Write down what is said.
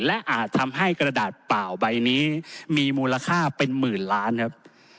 และอาจทำให้กระดาษเปล่าใบนี้มีมูลค่าเป็นหมื่นล้านครับ